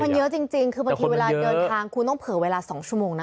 มันเยอะจริงคือบางทีเวลาเดินทางคุณต้องเผื่อเวลา๒ชั่วโมงนะ